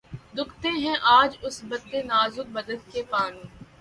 دکھتے ہیں آج اس بتِ نازک بدن کے پانو